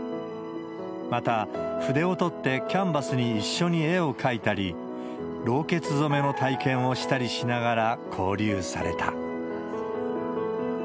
また、筆を取ってキャンバスに一緒に絵を描いたり、ろうけつ染めの体験をしたりしながら交流された。